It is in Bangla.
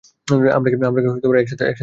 আমরা কি একসাথে যেতে পারি না?